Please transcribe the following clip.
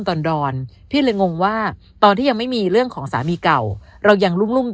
ดอนดอนพี่เลยงงว่าตอนที่ยังไม่มีเรื่องของสามีเก่าเรายังรุ่ม